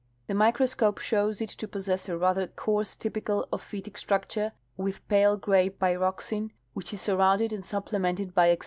The microscope shows it to possess a rather coarse typical ophitic structure with pale gray pyroxene, which is surrounded and supplemented by ex * See Eosenbusch : Mikr.